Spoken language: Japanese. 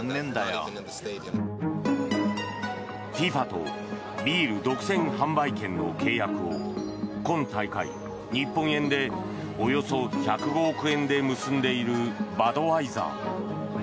ＦＩＦＡとビール独占販売権の契約を今大会、日本円でおよそ１０５億円で結んでいるバドワイザー。